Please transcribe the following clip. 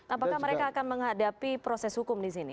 apakah mereka akan menghadapi proses hukum di sini